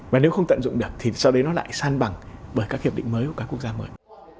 và nếu không tận dụng được thì sau đấy nó lại san bằng bởi các hiệp định mới của các quốc gia mới